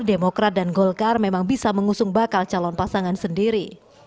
demokrat dan golkar memang bisa mengusung bakal calon pasangan sendiri